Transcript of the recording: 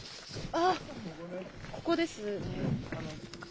あっ、ここですね。